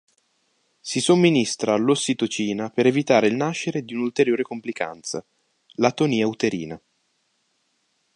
Si somministra l'ossitocina per evitare il nascere di un ulteriore complicanza: l'atonia uterina.